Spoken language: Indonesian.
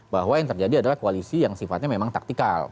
bahwa yang terjadi adalah koalisi yang sifatnya memang taktikal